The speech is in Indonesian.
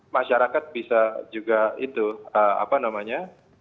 masyarakat bisa juga itu apa namanya